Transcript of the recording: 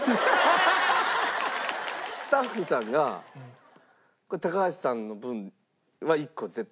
スタッフさんが「高橋さんの分は１個絶対です」って。